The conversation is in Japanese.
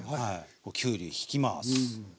きゅうりひきます。